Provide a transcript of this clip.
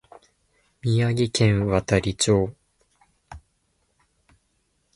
宮城県亘理町